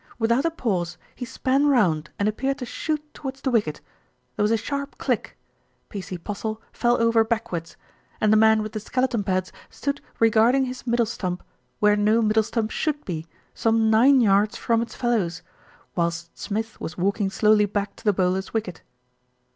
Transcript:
Without a pause he span round and appeared to shoot towards the wicket. There was a sharp click. P.C. Postle fell over backwards, and the man with the skeleton pads stood regarding his middle stump where no middle stump should be, some nine yards from its fellows, whilst Smith was walking slowly back to the bowler's wicket.